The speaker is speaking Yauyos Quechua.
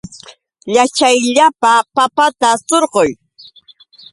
Yaćhayllapa papata surquy.